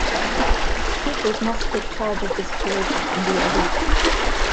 Teachers must take charge of the situation and be a leader.